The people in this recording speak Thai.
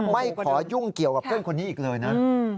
ไม่ขอยุ่งเกี่ยวกับเพื่อนคนนี้อีกเลยนะ